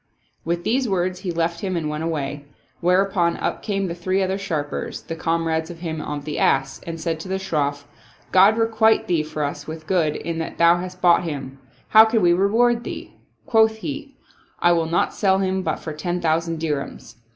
With these words he left him and went away, whereupon up came the three other sharpers, the comrades of him of the ass, and said to the Shroff, " God requite thee for us with good, in that thou hast bought him I How can we reward thee? " Quoth he, " I will not sell him but for ten thousand dirhams."